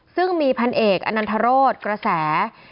ซึ่งมีพันเอกอนันทรศกระแส